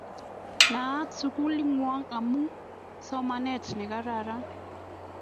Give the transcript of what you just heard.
Naat sukuk ng'wong' amun somanet ne kararan